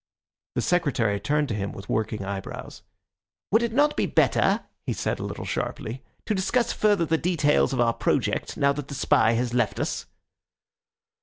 The Secretary turned to him with working eyebrows. "Would it not be better," he said a little sharply, "to discuss further the details of our project, now that the spy has left us?"